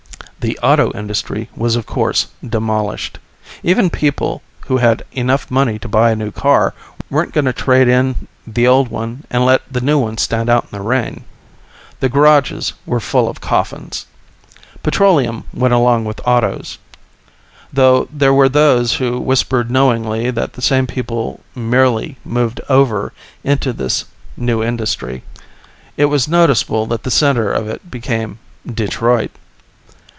The auto industry was of course demolished. Even people who had enough money to buy a new car weren't going to trade in the old one and let the new one stand out in the rain. The garages were full of coffins. Petroleum went along with Autos. (Though there were those who whispered knowingly that the same people merely moved over into the new industry. It was noticeable that the center of it became Detroit.)